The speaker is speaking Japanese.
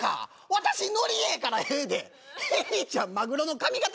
私ノリええからええでえりちゃんマグロの髪形